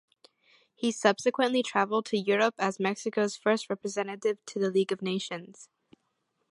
He subsequently traveled to Europe as Mexico's first representative to the League of Nations.